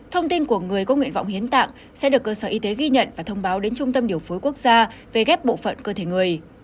thông tin của người có nguyện vọng hiến tạng sẽ được cơ sở y tế ghi nhận và thông báo đến trung tâm điều phối quốc gia về ghép bộ phận cơ thể người